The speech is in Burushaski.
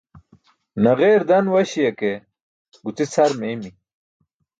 Naġeer dan waśi̇ya ke guci̇ cʰar meeymi̇.